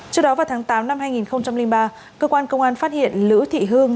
trước đó vào tháng tám năm hai nghìn ba cơ quan công an phát hiện lữ thị hương